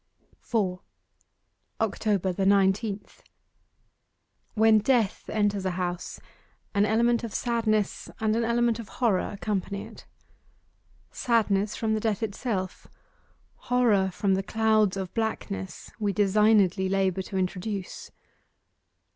4. OCTOBER THE NINETEENTH When death enters a house, an element of sadness and an element of horror accompany it. Sadness, from the death itself: horror, from the clouds of blackness we designedly labour to introduce.